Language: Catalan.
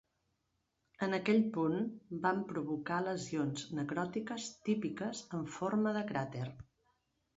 En aquell punt, van provocar lesions necròtiques típiques en forma de cràter.